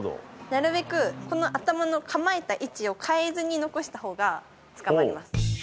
なるべく、この頭の構えた位置を変えずに残したほうがつかまります。